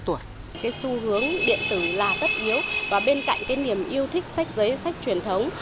cái xu hướng điện tử là tất yếu và bên cạnh cái niềm yêu thích sách giấy sách truyền thống